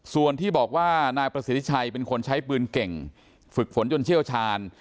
ส่วนที่บอกว่านายประสิทธิชัยเป็นคนใช้ปืนเก่งฝึกฝนจนเชี่ยวชาญ